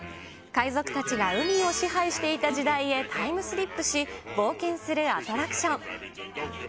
海賊たちが海を支配していた時代へタイムスリップし、冒険するアトラクション。